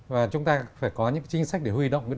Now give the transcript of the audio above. và chúng ta phải có những chính sách